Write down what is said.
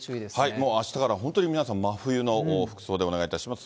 もうあしたから本当に皆さん、真冬の服装でお願いいたします。